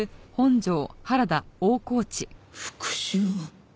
復讐？